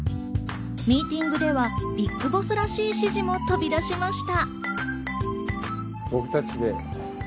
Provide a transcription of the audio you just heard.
ミーティングではＢＩＧＢＯＳＳらしい指示も飛び出しました。